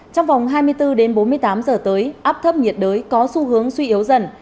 trong vòng hai mươi bốn đến bốn mươi tám giờ tới áp thấp nhiệt đới có xu hướng suy yếu dần